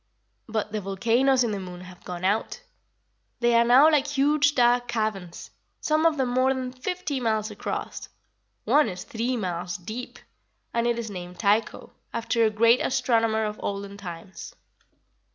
But the volcanoes in the moon have gone out. They are now like huge dark caverns, some of them more than fifty miles across. One is three miles deep, and it is named Tycho, after a great astronomer of olden times.